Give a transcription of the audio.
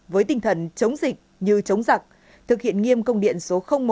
với tinh thần chống dịch như chống giặc thực hiện nghiêm công điện số một